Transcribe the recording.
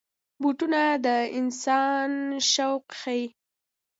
بوټونه د انسان شوق ښيي.